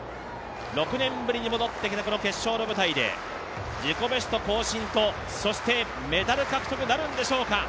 ６年ぶりに戻ってきたこの決勝の舞台で自己ベスト更新と、そしてメダル獲得はなるんでしょうか。